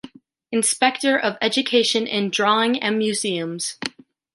Inspector of education in drawing and museums.